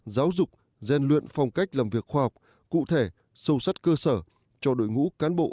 giáo dục gian luyện phong cách làm việc khoa học cụ thể sâu sát cơ sở cho đội ngũ cán bộ